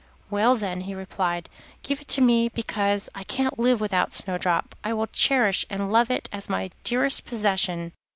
'Well, then,' he replied, 'give it to me, because I can't live without Snowdrop. I will cherish and love it as my dearest possession.